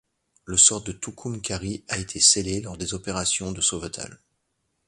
Le sort du Tucumcari a été scellé lors des opérations de sauvetage.